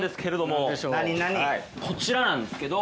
こちらなんですけど。